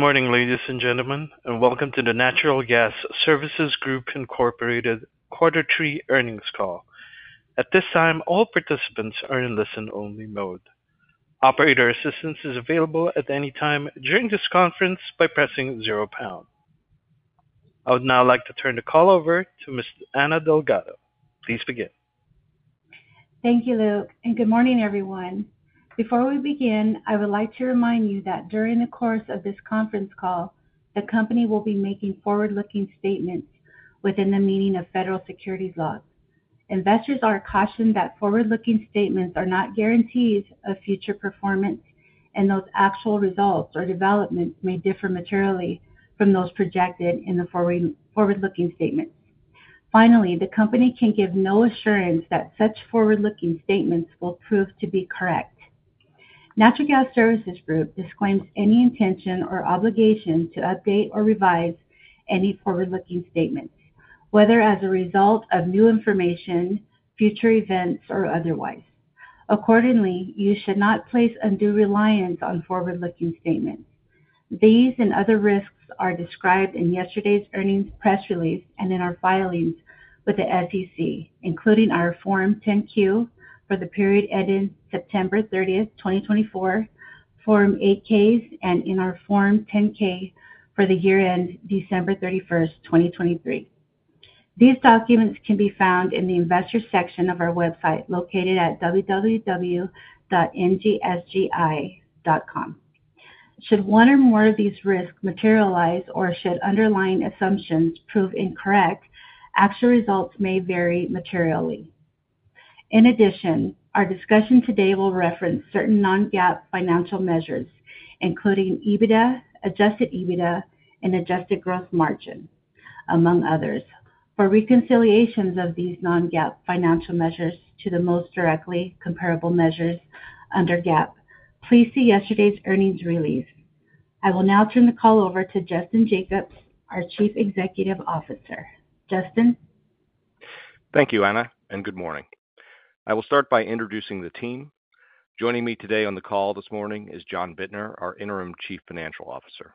Good morning, ladies and gentlemen, and welcome to the Natural Gas Services Group Incorporated third quarter earnings call. At this time, all participants are in listen-only mode. Operator assistance is available at any time during this conference by pressing zero pound. I would now like to turn the call over to Ms. Anna Delgado. Please begin. Thank you, Luke, and good morning, everyone. Before we begin, I would like to remind you that during the course of this conference call, the company will be making forward-looking statements within the meaning of federal securities laws. Investors are cautioned that forward-looking statements are not guarantees of future performance, and those actual results or developments may differ materially from those projected in the forward-looking statements. Finally, the company can give no assurance that such forward-looking statements will prove to be correct. Natural Gas Services Group disclaims any intention or obligation to update or revise any forward-looking statements, whether as a result of new information, future events, or otherwise. Accordingly, you should not place undue reliance on forward-looking statements. These and other risks are described in yesterday's earnings press release and in our filings with the SEC, including our Form 10-Q for the period ending September 30th, 2024, Form 8-Ks, and in our Form 10-K for the year-end December 31st, 2023. These documents can be found in the investor section of our website located at www.ngsgi.com. Should one or more of these risks materialize or should underlying assumptions prove incorrect, actual results may vary materially. In addition, our discussion today will reference certain non-GAAP financial measures, including EBITDA, adjusted EBITDA, and adjusted gross margin, among others. For reconciliations of these non-GAAP financial measures to the most directly comparable measures under GAAP, please see yesterday's earnings release. I will now turn the call over to Justin Jacobs, our Chief Executive Officer. Justin. Thank you, Anna, and good morning. I will start by introducing the team. Joining me today on the call this morning is John Bittner, our Interim Chief Financial Officer.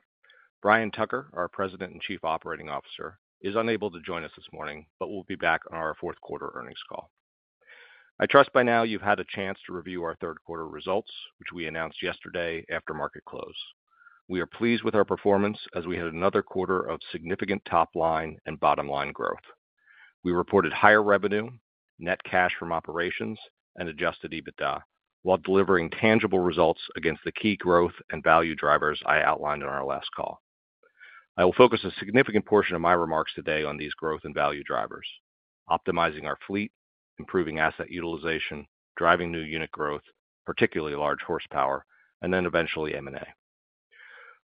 Brian Tucker, our President and Chief Operating Officer, is unable to join us this morning, but will be back on our fourth quarter earnings call. I trust by now you've had a chance to review our third quarter results, which we announced yesterday after market close. We are pleased with our performance as we had another quarter of significant top-line and bottom-line growth. We reported higher revenue, net cash from operations, and adjusted EBITDA while delivering tangible results against the key growth and value drivers I outlined on our last call. I will focus a significant portion of my remarks today on these growth and value drivers: optimizing our fleet, improving asset utilization, driving new unit growth, particularly large horsepower, and then eventually M&A.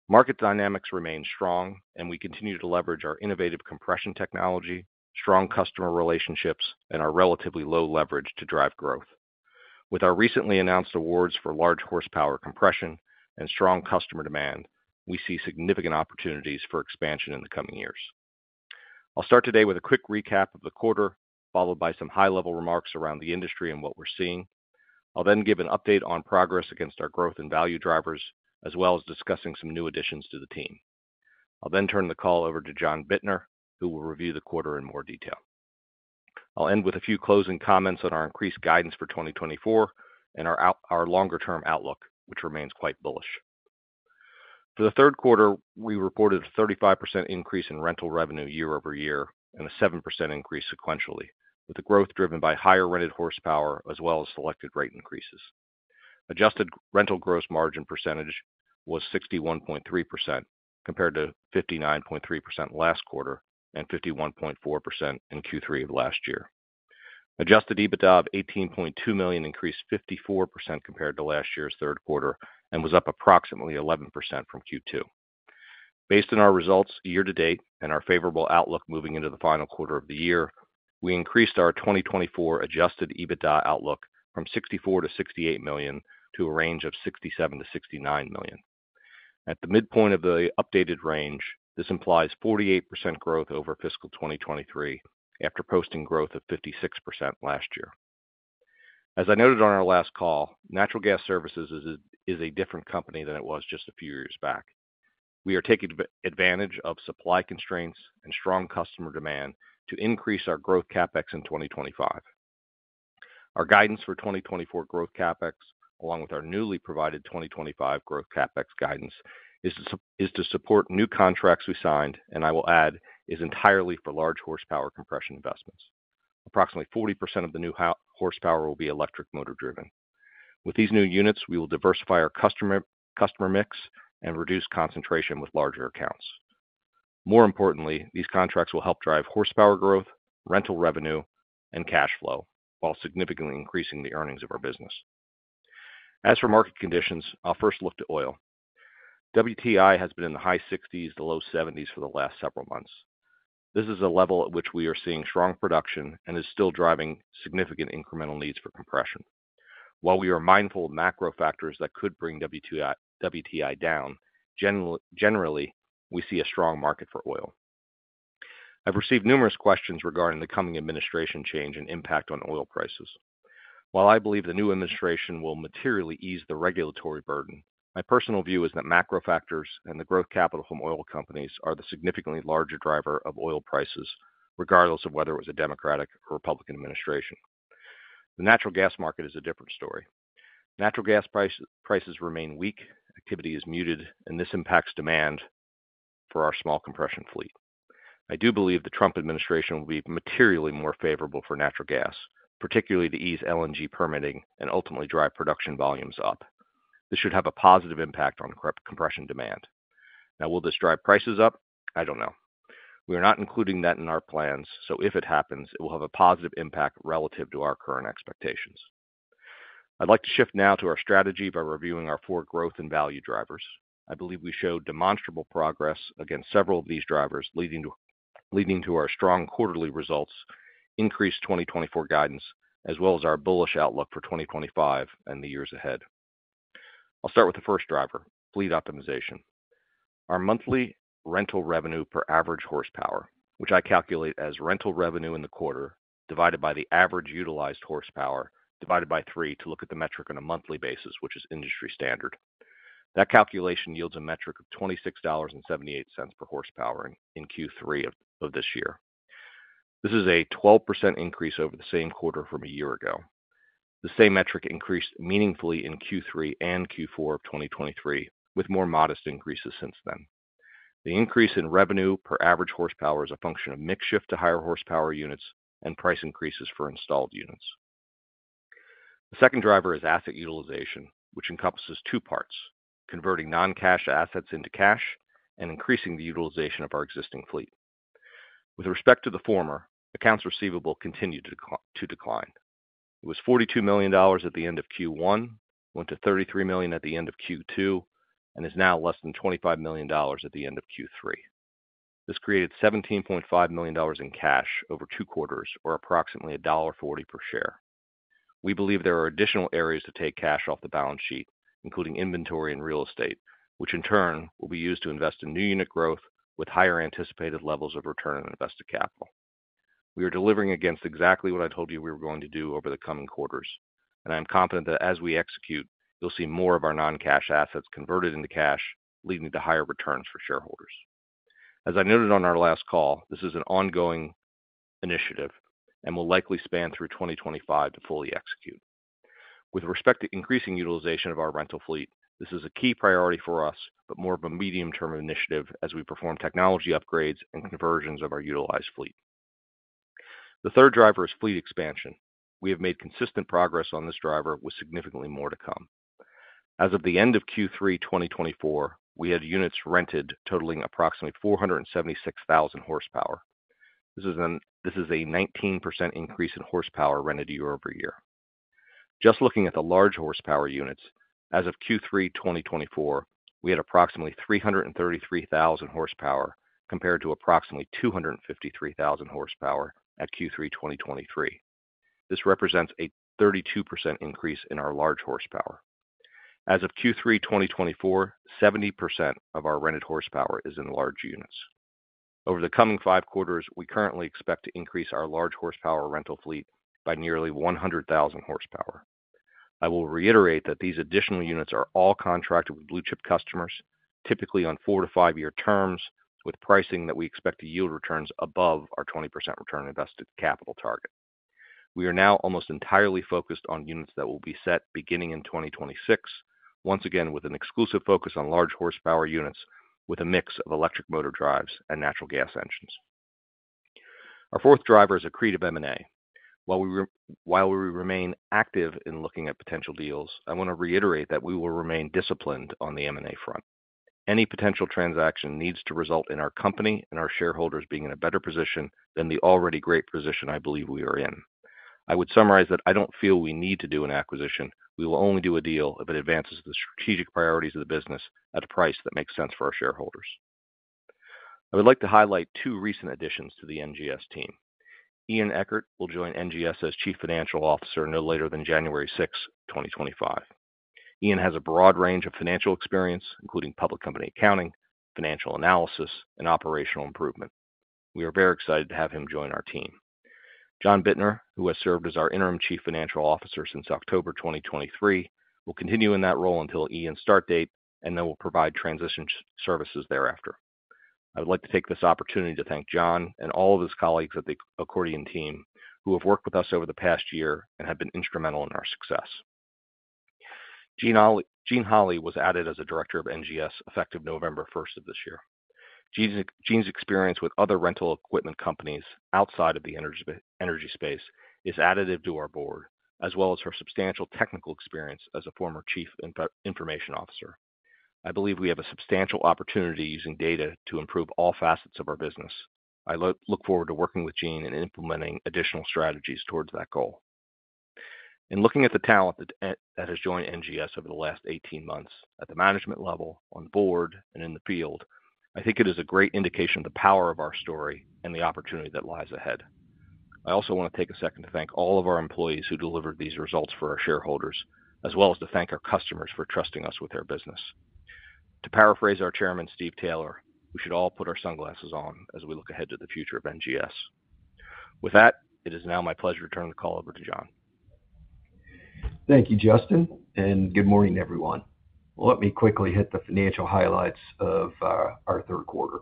Market dynamics remain strong, and we continue to leverage our innovative compression technology, strong customer relationships, and our relatively low leverage to drive growth. With our recently announced awards for large horsepower compression and strong customer demand, we see significant opportunities for expansion in the coming years. I'll start today with a quick recap of the quarter, followed by some high-level remarks around the industry and what we're seeing. I'll then give an update on progress against our growth and value drivers, as well as discussing some new additions to the team. I'll then turn the call over to John Bittner, who will review the quarter in more detail. I'll end with a few closing comments on our increased guidance for 2024 and our longer-term outlook, which remains quite bullish. For the third quarter, we reported a 35% increase in rental revenue year over year and a 7% increase sequentially, with the growth driven by higher rented horsepower as well as selected rate increases. Adjusted rental gross margin percentage was 61.3% compared to 59.3% last quarter and 51.4% in Q3 of last year. Adjusted EBITDA of $18.2 million increased 54% compared to last year's third quarter and was up approximately 11% from Q2. Based on our results year to date and our favorable outlook moving into the final quarter of the year, we increased our 2024 adjusted EBITDA outlook from $64 million to $68 million to a range of $67 million-$69 million. At the midpoint of the updated range, this implies 48% growth over fiscal 2023 after posting growth of 56% last year. As I noted on our last call, Natural Gas Services Group is a different company than it was just a few years back. We are taking advantage of supply constraints and strong customer demand to increase our growth CapEx in 2025. Our guidance for 2024 growth CapEx, along with our newly provided 2025 growth CapEx guidance, is to support new contracts we signed, and I will add, is entirely for large horsepower compression investments. Approximately 40% of the new horsepower will be electric motor driven. With these new units, we will diversify our customer mix and reduce concentration with larger accounts. More importantly, these contracts will help drive horsepower growth, rental revenue, and cash flow while significantly increasing the earnings of our business. As for market conditions, I'll first look to oil. WTI has been in the high 60s to low 70s for the last several months. This is a level at which we are seeing strong production and is still driving significant incremental needs for compression. While we are mindful of macro factors that could bring WTI down, generally, we see a strong market for oil. I've received numerous questions regarding the coming administration change and impact on oil prices. While I believe the new administration will materially ease the regulatory burden, my personal view is that macro factors and the growth capital from oil companies are the significantly larger driver of oil prices, regardless of whether it was a Democratic or Republican administration. The natural gas market is a different story. Natural gas prices remain weak, activity is muted, and this impacts demand for our small compression fleet. I do believe the Trump administration will be materially more favorable for natural gas, particularly to ease LNG permitting and ultimately drive production volumes up. This should have a positive impact on compression demand. Now, will this drive prices up? I don't know. We are not including that in our plans, so if it happens, it will have a positive impact relative to our current expectations. I'd like to shift now to our strategy by reviewing our four growth and value drivers. I believe we showed demonstrable progress against several of these drivers, leading to our strong quarterly results, increased 2024 guidance, as well as our bullish outlook for 2025 and the years ahead. I'll start with the first driver, fleet optimization. Our monthly rental revenue per average horsepower, which I calculate as rental revenue in the quarter divided by the average utilized horsepower divided by three to look at the metric on a monthly basis, which is industry standard. That calculation yields a metric of $26.78 per horsepower in Q3 of this year. This is a 12% increase over the same quarter from a year ago. The same metric increased meaningfully in Q3 and Q4 of 2023, with more modest increases since then. The increase in revenue per average horsepower is a function of mix shift to higher horsepower units and price increases for installed units. The second driver is asset utilization, which encompasses two parts: converting non-cash assets into cash and increasing the utilization of our existing fleet. With respect to the former, accounts receivable continued to decline. It was $42 million at the end of Q1, went to $33 million at the end of Q2, and is now less than $25 million at the end of Q3. This created $17.5 million in cash over two quarters, or approximately $1.40 per share. We believe there are additional areas to take cash off the balance sheet, including inventory and real estate, which in turn will be used to invest in new unit growth with higher anticipated levels of return on invested capital. We are delivering against exactly what I told you we were going to do over the coming quarters, and I'm confident that as we execute, you'll see more of our non-cash assets converted into cash, leading to higher returns for shareholders. As I noted on our last call, this is an ongoing initiative and will likely span through 2025 to fully execute. With respect to increasing utilization of our rental fleet, this is a key priority for us, but more of a medium-term initiative as we perform technology upgrades and conversions of our utilized fleet. The third driver is fleet expansion. We have made consistent progress on this driver with significantly more to come. As of the end of Q3 2024, we had units rented totaling approximately 476,000 horsepower. This is a 19% increase in horsepower rented year over year. Just looking at the large horsepower units, as of Q3 2024, we had approximately 333,000 horsepower compared to approximately 253,000 horsepower at Q3 2023. This represents a 32% increase in our large horsepower. As of Q3 2024, 70% of our rented horsepower is in large units. Over the coming five quarters, we currently expect to increase our large horsepower rental fleet by nearly 100,000 horsepower. I will reiterate that these additional units are all contracted with blue-chip customers, typically on four- to five-year terms, with pricing that we expect to yield returns above our 20% return on invested capital target. We are now almost entirely focused on units that will be set beginning in 2026, once again with an exclusive focus on large horsepower units with a mix of electric motor drives and natural gas engines. Our fourth driver is accretive M&A. While we remain active in looking at potential deals, I want to reiterate that we will remain disciplined on the M&A front. Any potential transaction needs to result in our company and our shareholders being in a better position than the already great position I believe we are in. I would summarize that I don't feel we need to do an acquisition. We will only do a deal if it advances the strategic priorities of the business at a price that makes sense for our shareholders. I would like to highlight two recent additions to the NGS team. Ian Eckert will join NGS as Chief Financial Officer no later than January 6th of 2025. Ian has a broad range of financial experience, including public company accounting, financial analysis, and operational improvement. We are very excited to have him join our team. John Bittner, who has served as our Interim Chief Financial Officer since October 2023, will continue in that role until Ian's start date and then will provide transition services thereafter. I would like to take this opportunity to thank John and all of his colleagues at the Accordion team who have worked with us over the past year and have been instrumental in our success. Jean Holley was added as a Director of NGS effective November 1st of this year. Jean's experience with other rental equipment companies outside of the energy space is additive to our board, as well as her substantial technical experience as a former Chief Information Officer. I believe we have a substantial opportunity using data to improve all facets of our business. I look forward to working with Jean and implementing additional strategies towards that goal. In looking at the talent that has joined NGS over the last 18 months at the management level, on the board, and in the field, I think it is a great indication of the power of our story and the opportunity that lies ahead. I also want to take a second to thank all of our employees who delivered these results for our shareholders, as well as to thank our customers for trusting us with their business. To paraphrase our Chairman, Steve Taylor, we should all put our sunglasses on as we look ahead to the future of NGS. With that, it is now my pleasure to turn the call over to John. Thank you, Justin, and good morning, everyone. Let me quickly hit the financial highlights of our third quarter.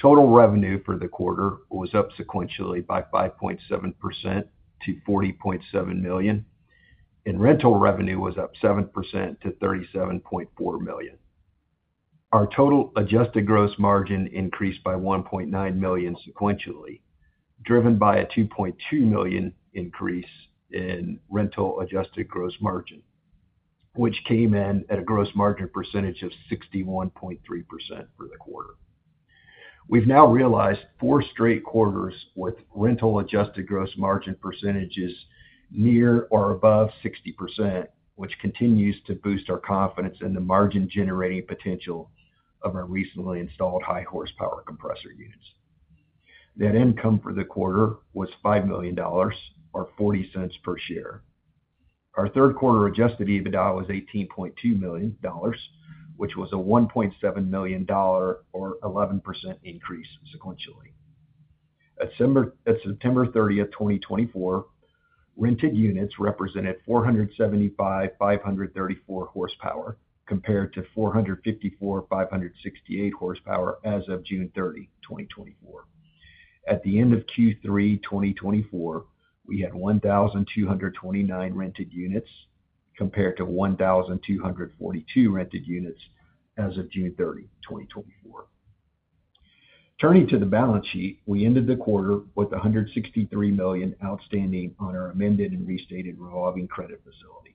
Total revenue for the quarter was up sequentially by 5.7% to $40.7 million, and rental revenue was up 7% to $37.4 million. Our total adjusted gross margin increased by $1.9 million sequentially, driven by a $2.2 million increase in rental adjusted gross margin, which came in at a gross margin percentage of 61.3% for the quarter. We've now realized four straight quarters with rental adjusted gross margin percentages near or above 60%, which continues to boost our confidence in the margin-generating potential of our recently installed high horsepower compressor units. Net income for the quarter was $5 million, or $0.40 per share. Our third quarter adjusted EBITDA was $18.2 million, which was a $1.7 million or 11% increase sequentially. At September 30th, 2024, rented units represented 475,534 horsepower compared to 454,568 horsepower as of June 30th, 2024. At the end of Q3 2024, we had 1,229 rented units compared to 1,242 rented units as of June 30th, 2024. Turning to the balance sheet, we ended the quarter with $163 million outstanding on our amended and restated revolving credit facility.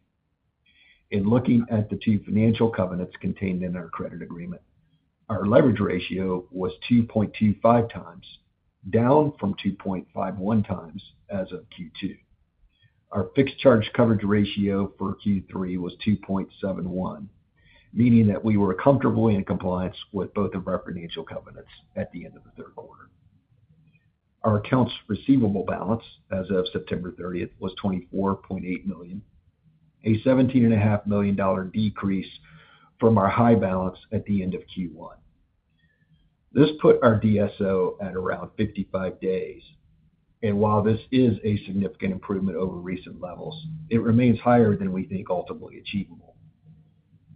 In looking at the two financial covenants contained in our credit agreement, our leverage ratio was 2.25 times, down from 2.51 times as of Q2. Our fixed charge coverage ratio for Q3 was 2.71, meaning that we were comfortably in compliance with both of our financial covenants at the end of the third quarter. Our accounts receivable balance as of September 30th was $24.8 million, a $17.5 million decrease from our high balance at the end of Q1. This put our DSO at around 55 days, and while this is a significant improvement over recent levels, it remains higher than we think ultimately achievable.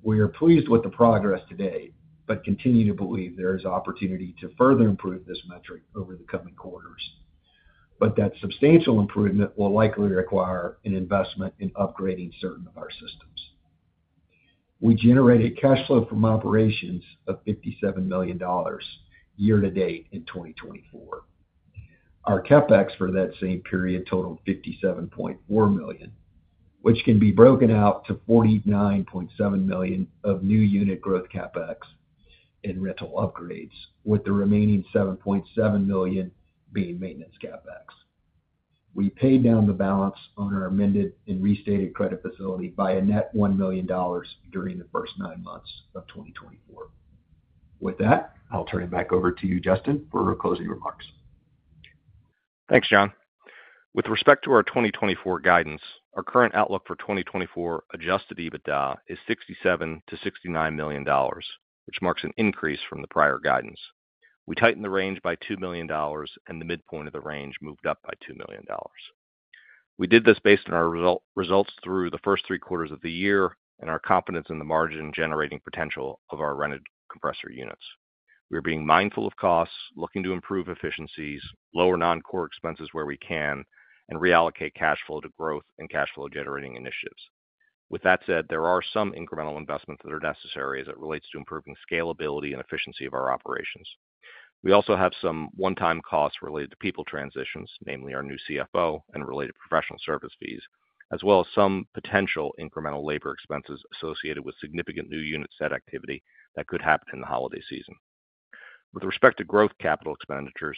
We are pleased with the progress today, but continue to believe there is opportunity to further improve this metric over the coming quarters. But that substantial improvement will likely require an investment in upgrading certain of our systems. We generated cash flow from operations of $57 million year to date in 2024. Our CapEx for that same period totaled $57.4 million, which can be broken out to $49.7 million of new unit growth CapEx and rental upgrades, with the remaining $7.7 million being maintenance CapEx. We paid down the balance on our amended and restated credit facility by a net $1 million during the first nine months of 2024. With that, I'll turn it back over to you, Justin, for closing remarks. Thanks, John. With respect to our 2024 guidance, our current outlook for 2024 Adjusted EBITDA is $67-$69 million, which marks an increase from the prior guidance. We tightened the range by $2 million, and the midpoint of the range moved up by $2 million. We did this based on our results through the first three quarters of the year and our confidence in the margin-generating potential of our rented compressor units. We are being mindful of costs, looking to improve efficiencies, lower non-core expenses where we can, and reallocate cash flow to growth and cash flow-generating initiatives. With that said, there are some incremental investments that are necessary as it relates to improving scalability and efficiency of our operations. We also have some one-time costs related to people transitions, namely our new CFO and related professional service fees, as well as some potential incremental labor expenses associated with significant new unit set activity that could happen in the holiday season. With respect to growth capital expenditures,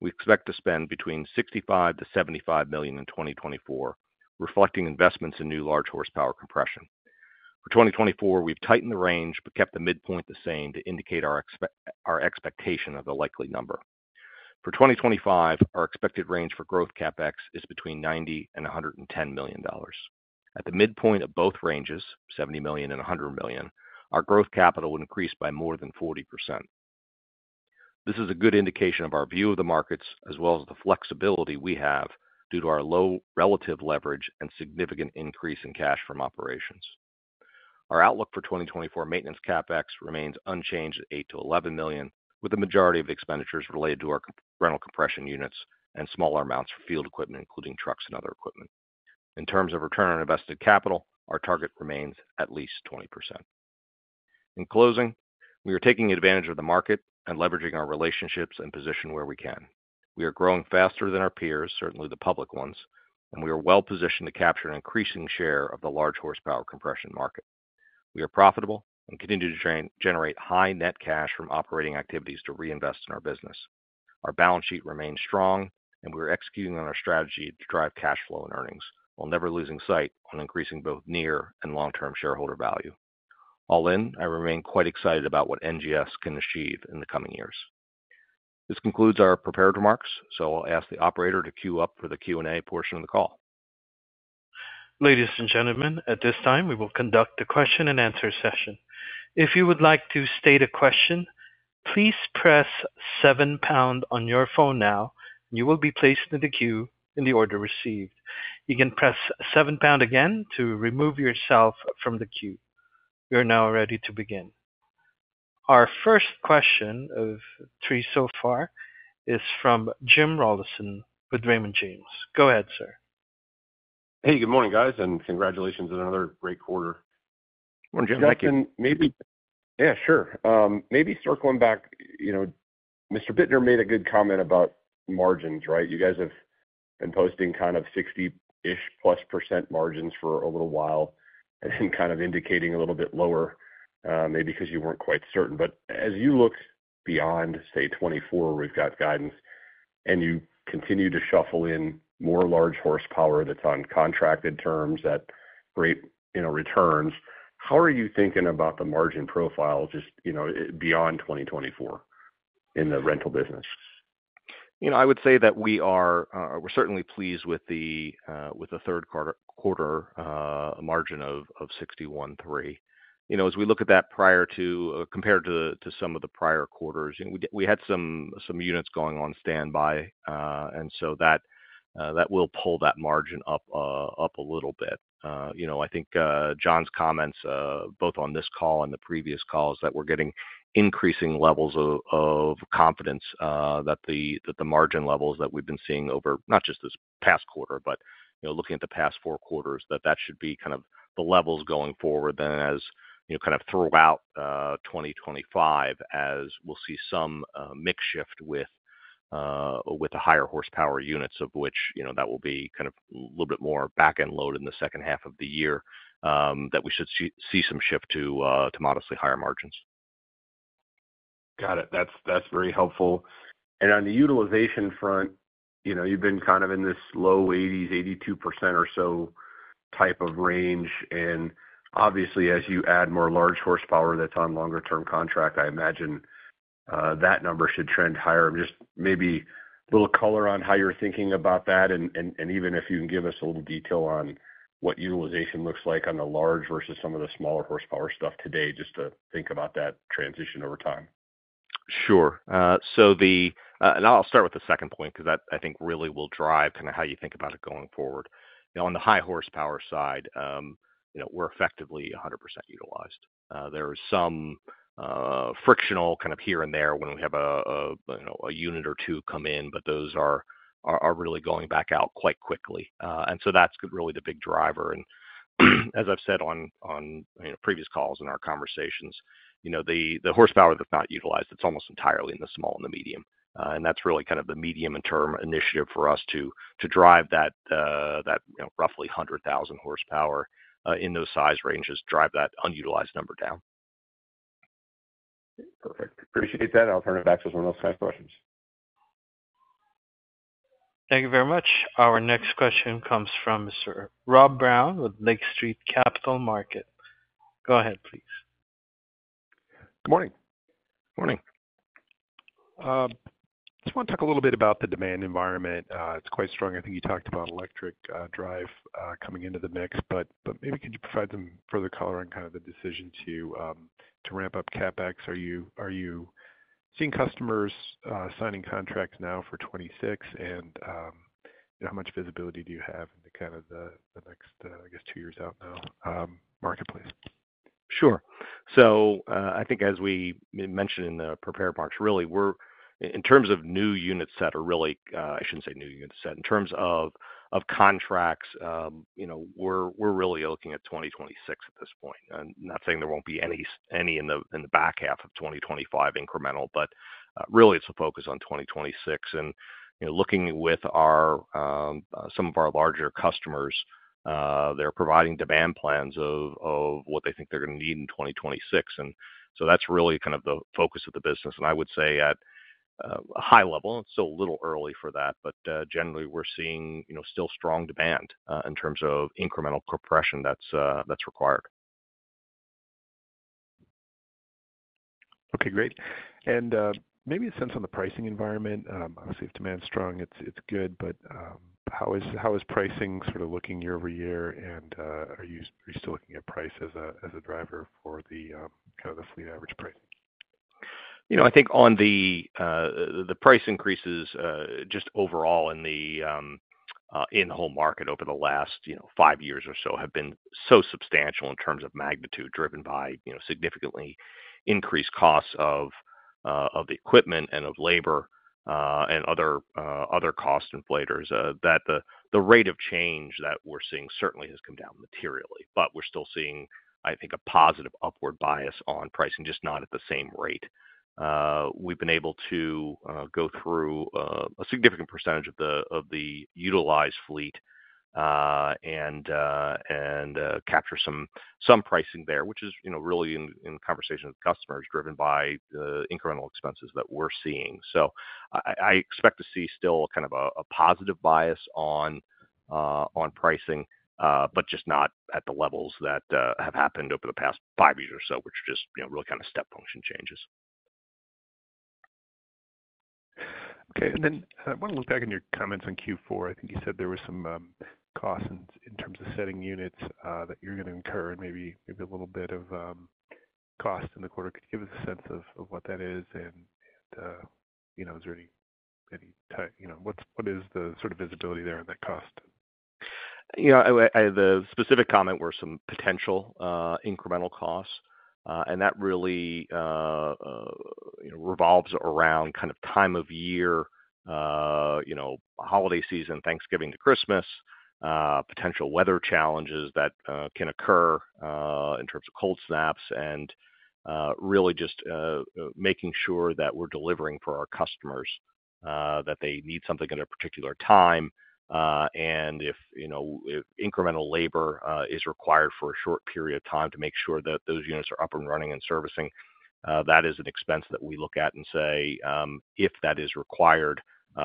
we expect to spend between $65-$75 million in 2024, reflecting investments in new large horsepower compression. For 2024, we've tightened the range but kept the midpoint the same to indicate our expectation of the likely number. For 2025, our expected range for growth CapEx is between $90 and $110 million. At the midpoint of both ranges, $70 million and $100 million, our growth capital will increase by more than 40%. This is a good indication of our view of the markets, as well as the flexibility we have due to our low relative leverage and significant increase in cash from operations. Our outlook for 2024 maintenance CapEx remains unchanged at $8-$11 million, with the majority of expenditures related to our rental compression units and smaller amounts for field equipment, including trucks and other equipment. In terms of return on invested capital, our target remains at least 20%. In closing, we are taking advantage of the market and leveraging our relationships and position where we can. We are growing faster than our peers, certainly the public ones, and we are well positioned to capture an increasing share of the large horsepower compression market. We are profitable and continue to generate high net cash from operating activities to reinvest in our business. Our balance sheet remains strong, and we are executing on our strategy to drive cash flow and earnings, while never losing sight on increasing both near and long-term shareholder value. All in, I remain quite excited about what NGS can achieve in the coming years. This concludes our prepared remarks, so I'll ask the operator to queue up for the Q&A portion of the call. Ladies and gentlemen, at this time, we will conduct the question and answer session. If you would like to state a question, please press 7 pound on your phone now, and you will be placed in the queue in the order received. You can press 7 pound again to remove yourself from the queue. You're now ready to begin. Our first question of three so far is from Jim Rollyson with Raymond James. Go ahead, sir. Hey, good morning, guys, and congratulations on another great quarter. Good morning, Jim. Yeah, sure. Maybe circling back, Mr. Bittner made a good comment about margins, right? You guys have been posting kind of 60-ish plus % margins for a little while and kind of indicating a little bit lower, maybe because you weren't quite certain. But as you look beyond, say, 2024, we've got guidance, and you continue to shuffle in more large horsepower that's on contracted terms at great returns. How are you thinking about the margin profile just beyond 2024 in the rental business? You know, I would say that we are certainly pleased with the third quarter margin of 61.3%. As we look at that prior to compared to some of the prior quarters, we had some units going on standby, and so that will pull that margin up a little bit. I think John's comments, both on this call and the previous calls, that we're getting increasing levels of confidence that the margin levels that we've been seeing over not just this past quarter, but looking at the past four quarters, that that should be kind of the levels going forward. Then, as kind of throughout 2025, as we'll see some mix shift with the higher horsepower units, of which that will be kind of a little bit more back-end load in the second half of the year, that we should see some shift to modestly higher margins. Got it. That's very helpful. And on the utilization front, you've been kind of in this low 80s, 82% or so type of range. And obviously, as you add more large horsepower that's on longer-term contract, I imagine that number should trend higher. Just maybe a little color on how you're thinking about that, and even if you can give us a little detail on what utilization looks like on the large versus some of the smaller horsepower stuff today, just to think about that transition over time. Sure. And I'll start with the second point because that, I think, really will drive kind of how you think about it going forward. On the high horsepower side, we're effectively 100% utilized. There is some frictional kind of here and there when we have a unit or two come in, but those are really going back out quite quickly. And so that's really the big driver. And as I've said on previous calls and our conversations, the horsepower that's not utilized, it's almost entirely in the small and the medium. And that's really kind of the medium-term initiative for us to drive that roughly 100,000 horsepower in those size ranges, drive that unutilized number down. Perfect. Appreciate that. I'll turn it back to some of those kind of questions. Thank you very much. Our next question comes from Mr. Rob Brown with Lake Street Capital Markets. Go ahead, please. Good morning. Good morning. I just want to talk a little bit about the demand environment. It's quite strong. I think you talked about electric drive coming into the mix, but maybe could you provide some further color on kind of the decision to ramp up CapEx? Are you seeing customers signing contracts now for 2026, and how much visibility do you have into kind of the next, I guess, two years out now marketplace? Sure. So I think, as we mentioned in the prepared remarks, really, in terms of new unit sales, or really, I shouldn't say new unit sales. In terms of contracts, we're really looking at 2026 at this point. I'm not saying there won't be any in the back half of 2025 incremental, but really, it's a focus on 2026. And looking with some of our larger customers, they're providing demand plans of what they think they're going to need in 2026. And so that's really kind of the focus of the business. And I would say at a high level, it's still a little early for that, but generally, we're seeing still strong demand in terms of incremental compression that's required. Okay, great. And maybe a sense on the pricing environment. Obviously, if demand's strong, it's good, but how is pricing sort of looking year over year, and are you still looking at price as a driver for kind of the fleet average pricing? You know, I think on the price increases just overall in the in-home market over the last five years or so have been so substantial in terms of magnitude driven by significantly increased costs of the equipment and of labor and other cost inflators that the rate of change that we're seeing certainly has come down materially. But we're still seeing, I think, a positive upward bias on pricing, just not at the same rate. We've been able to go through a significant percentage of the utilized fleet and capture some pricing there, which is really in conversation with customers driven by the incremental expenses that we're seeing. So I expect to see still kind of a positive bias on pricing, but just not at the levels that have happened over the past five years or so, which are just really kind of step function changes. Okay. And then I want to look back on your comments on Q4. I think you said there were some costs in terms of setting units that you're going to incur and maybe a little bit of cost in the quarter. Could you give us a sense of what that is, and is there any type what is the sort of visibility there in that cost? You know, the specific comments were some potential incremental costs, and that really revolves around kind of time of year, holiday season, Thanksgiving to Christmas, potential weather challenges that can occur in terms of cold snaps, and really just making sure that we're delivering for our customers that they need something at a particular time. And if incremental labor is required for a short period of time to make sure that those units are up and running and servicing, that is an expense that we look at and say, if that is required,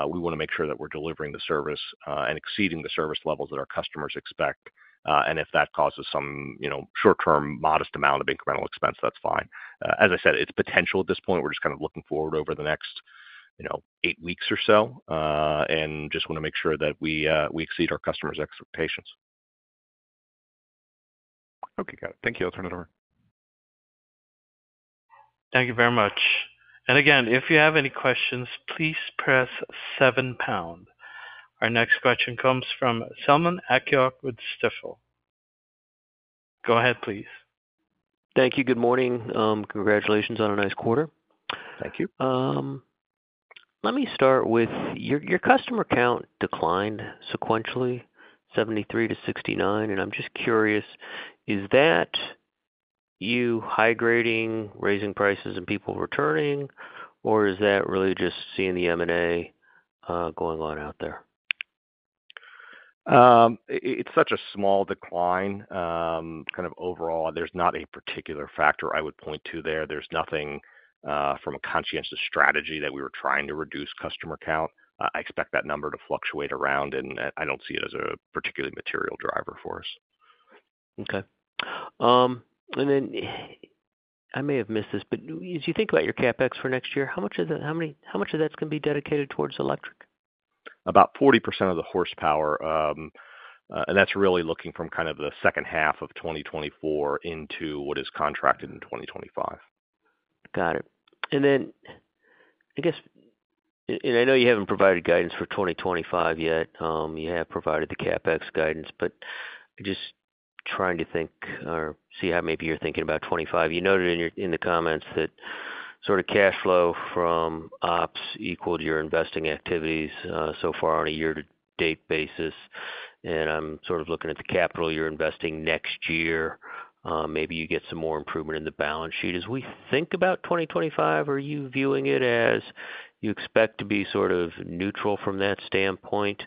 we want to make sure that we're delivering the service and exceeding the service levels that our customers expect. And if that causes some short-term modest amount of incremental expense, that's fine. As I said, it's potential at this point. We're just kind of looking forward over the next eight weeks or so and just want to make sure that we exceed our customers' expectations. Okay, got it. Thank you. I'll turn it over. Thank you very much. And again, if you have any questions, please press 7 pound. Our next question comes from Selman Akyol with Stifel. Go ahead, please. Thank you. Good morning. Congratulations on a nice quarter. Thank you. Let me start with your customer count declined sequentially, 73-69. And I'm just curious, is that you high-grading, raising prices, and people returning, or is that really just seeing the M&A going on out there? It's such a small decline kind of overall. There's not a particular factor I would point to there. There's nothing from a conscientious strategy that we were trying to reduce customer count. I expect that number to fluctuate around, and I don't see it as a particularly material driver for us. Okay. And then I may have missed this, but as you think about your CapEx for next year, how much of that's going to be dedicated towards electric? About 40% of the horsepower and that's really looking from kind of the second half of 2024 into what is contracted in 2025. Got it. And then I guess, and I know you haven't provided guidance for 2025 yet. You have provided the CapEx guidance, but just trying to think or see how maybe you're thinking about '25. You noted in the comments that sort of cash flow from ops equaled your investing activities so far on a year-to-date basis. And I'm sort of looking at the capital you're investing next year. Maybe you get some more improvement in the balance sheet. As we think about 2025, are you viewing it as you expect to be sort of neutral from that standpoint,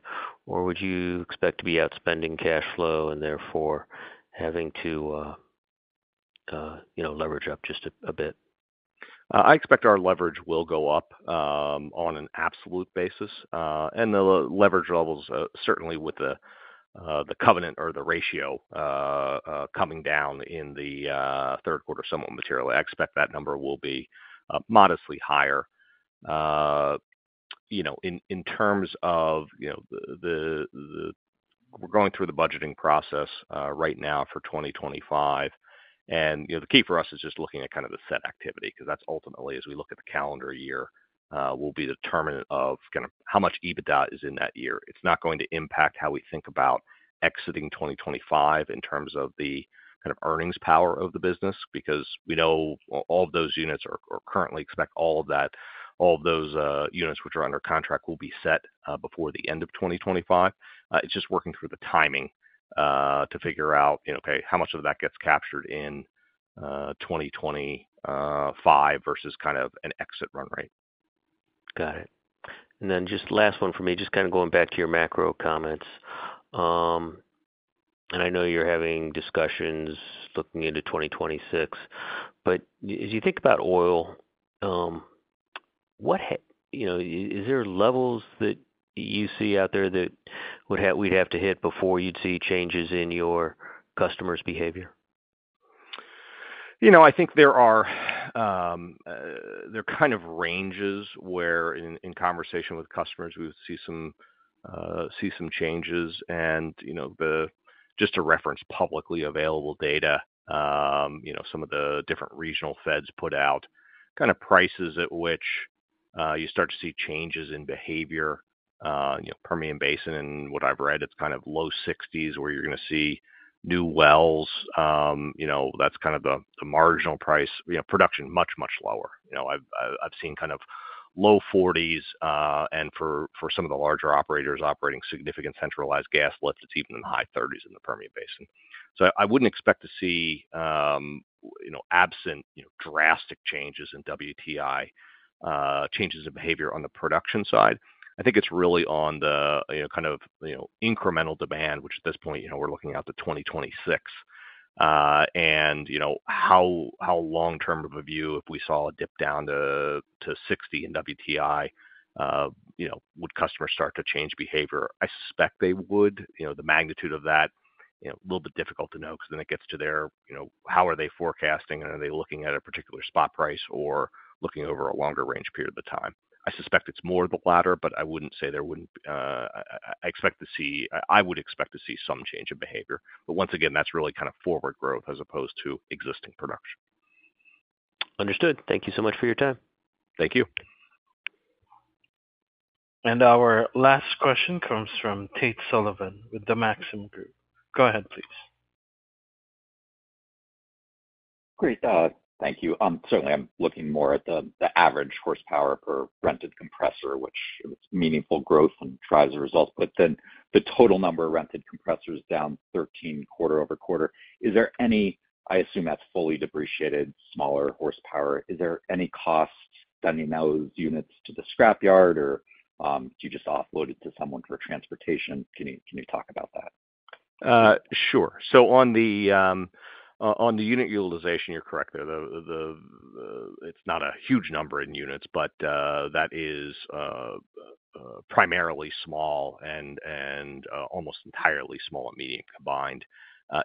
or would you expect to be outspending cash flow and therefore having to leverage up just a bit? I expect our leverage will go up on an absolute basis, and the leverage levels, certainly with the covenant or the ratio coming down in the third quarter somewhat materially. I expect that number will be modestly higher in terms of we're going through the budgeting process right now for 2025, and the key for us is just looking at kind of the fleet activity because that's ultimately, as we look at the calendar year, will be determinant of kind of how much EBITDA is in that year. It's not going to impact how we think about exiting 2025 in terms of the kind of earnings power of the business because we know all of those units are currently expected all of that. All of those units which are under contract will be set before the end of 2025. It's just working through the timing to figure out, okay, how much of that gets captured in 2025 versus kind of an exit run rate. Got it. And then just last one for me, just kind of going back to your macro comments. And I know you're having discussions looking into 2026, but as you think about oil, is there levels that you see out there that we'd have to hit before you'd see changes in your customers' behavior? You know, I think there are kind of ranges where in conversation with customers, we would see some changes, and just to reference publicly available data, some of the different regional feds put out kind of prices at which you start to see changes in behavior. Permian Basin, in what I've read, it's kind of low 60s where you're going to see new wells. That's kind of the marginal price. Production much, much lower. I've seen kind of low 40s, and for some of the larger operators operating significant centralized gas lifts, it's even in the high 30s in the Permian Basin. So I wouldn't expect to see, absent drastic changes in WTI, changes in behavior on the production side. I think it's really on the kind of incremental demand, which at this point, we're looking out to 2026. How long-term of a view if we saw a dip down to 60 in WTI would customers start to change behavior? I suspect they would. The magnitude of that, a little bit difficult to know because then it gets to their how they are forecasting and are they looking at a particular spot price or looking over a longer range period of time? I suspect it's more of the latter, but I would expect to see some change in behavior. But once again, that's really kind of forward growth as opposed to existing production. Understood. Thank you so much for your time. Thank you. Our last question comes from Tate Sullivan with the Maxim Group. Go ahead, please. Great. Thank you. Certainly, I'm looking more at the average horsepower per rented compressor, which is meaningful growth and drives the results. But then the total number of rented compressors down 13% quarter over quarter. Is there any? I assume that's fully depreciated smaller horsepower. Is there any cost sending those units to the scrapyard, or do you just offload it to someone for transportation? Can you talk about that? Sure. So on the unit utilization, you're correct there. It's not a huge number in units, but that is primarily small and almost entirely small and medium combined.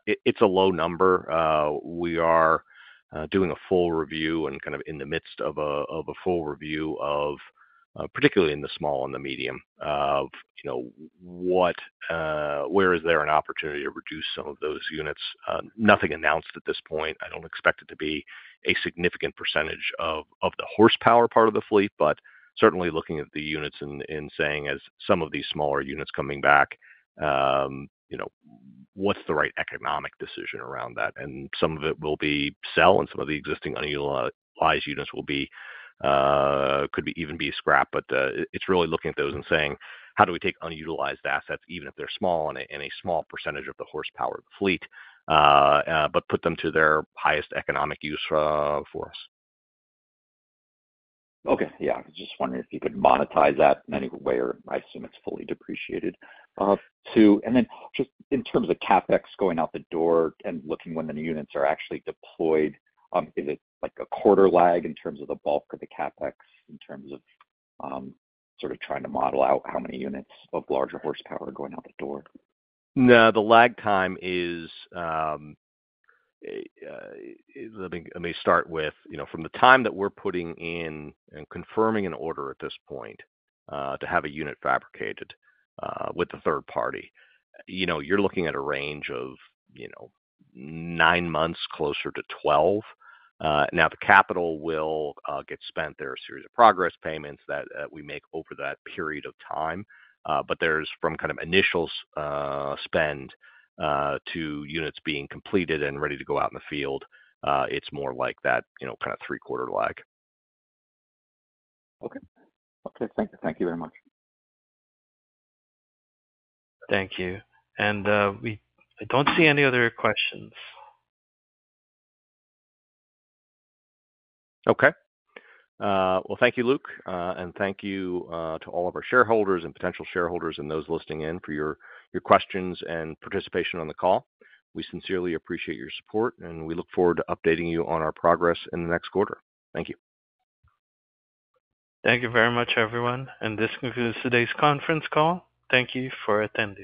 It's a low number. We are doing a full review and kind of in the midst of a full review of particularly in the small and the medium of where is there an opportunity to reduce some of those units. Nothing announced at this point. I don't expect it to be a significant percentage of the horsepower part of the fleet, but certainly looking at the units and saying, as some of these smaller units coming back, what's the right economic decision around that? And some of it will be sell, and some of the existing unutilized units could even be scrap. but it's really looking at those and saying, how do we take unutilized assets, even if they're small, and a small percentage of the horsepower of the fleet, but put them to their highest economic use for us? Okay. Yeah. I was just wondering if you could monetize that in any way, or I assume it's fully depreciated, and then just in terms of CapEx going out the door and looking when the units are actually deployed, is it like a quarter lag in terms of the bulk of the CapEx in terms of sort of trying to model out how many units of larger horsepower are going out the door? No, the lag time is. Let me start with from the time that we're putting in and confirming an order at this point to have a unit fabricated with the third party, you're looking at a range of nine months, closer to 12. Now, the capital will get spent. There are a series of progress payments that we make over that period of time. But there's from kind of initial spend to units being completed and ready to go out in the field. It's more like that kind of three-quarter lag. Okay. Okay. Thank you very much. Thank you, and I don't see any other questions. Okay, well, thank you, Luke, and thank you to all of our shareholders and potential shareholders and those listening in for your questions and participation on the call. We sincerely appreciate your support, and we look forward to updating you on our progress in the next quarter. Thank you. Thank you very much, everyone. And this concludes today's conference call. Thank you for attending.